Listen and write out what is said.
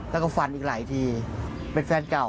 แล้วก็ฟันอีกหลายทีเป็นแฟนเก่า